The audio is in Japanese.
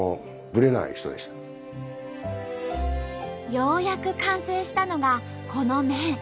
ようやく完成したのがこの麺。